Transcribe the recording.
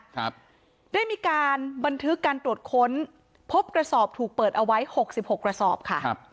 ได้มีการบันทึกการตรวจค้นพบกระสอบถูกเปิดเอาไว้๖๖กระสอบค่ะ